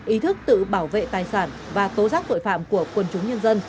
ý thức tự bảo vệ tài sản và tố giác tội phạm của quân chúng